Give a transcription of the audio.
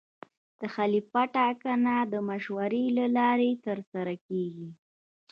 د خلیفه ټاکنه د مشورې له لارې ترسره کېږي.